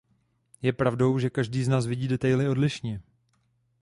Je pravdou, že každý z nás vidí detaily odlišně.